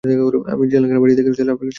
আমি জেলখানার লাইব্রেরি থেকে শিল্পকলা শিখেছি।